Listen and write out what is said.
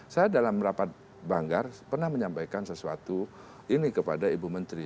saya dalam rapat banggar pernah menyampaikan sesuatu ini kepada ibu menteri